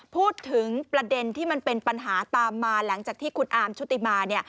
พูดถึงประเด็นที่มันเป็นปัญหาตามมาหลังจากที่คุณอาร์มชุติมาเนี่ย